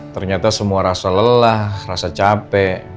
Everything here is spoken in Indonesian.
ternyata semua rasa lelah rasa capek